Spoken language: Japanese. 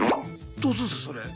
どうするんですかそれ。